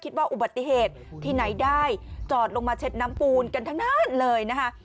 อุบัติเหตุที่ไหนได้จอดลงมาเช็ดน้ำปูนกันทั้งนั้นเลยนะคะ